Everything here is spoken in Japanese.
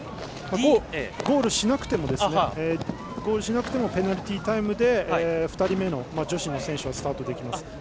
ゴールしなくてもペナルティータイムで２人目の女子の選手はスタートできます。